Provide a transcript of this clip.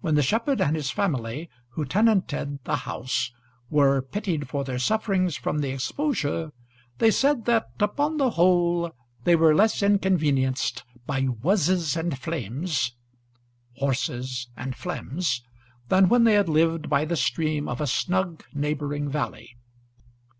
When the shepherd and his family who tenanted the house were pitied for their sufferings from the exposure, they said that upon the whole they were less inconvenienced by "wuzzes and flames" (hoarses and phlegms) than when they had lived by the stream of a snug neighbouring valley.